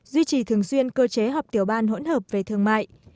duy trì thường xuyên cơ chế họp tiểu ban hỗn hợp về thương mại